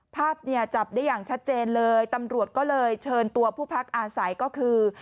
ภาพเนี่ยจับได้อย่างชัดเจนเลยตำรวจก็เลยเชิญตัวผู้พักอาศัยก็คือ